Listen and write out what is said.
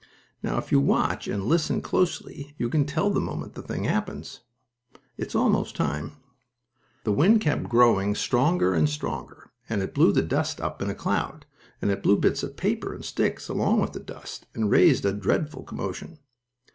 Now if you watch, and listen closely, you can tell the moment the thing happens. It's almost time. The wind kept growing stronger and stronger, and it blew the dust up in a cloud, and it blew bits of paper and sticks along with the dust, and raised a dreadful commotion.